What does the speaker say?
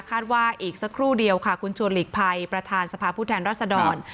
ว่าอีกสักครู่เดียวค่ะคุณชวนหลีกภัยประธานสภาพผู้แทนรัศดร